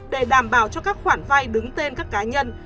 để đảm bảo cho các khoản vay đứng tên các cá nhân